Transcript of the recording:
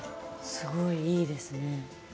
すごいいいですね。